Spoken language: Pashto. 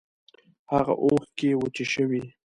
هاغه اوښکی وچې شوې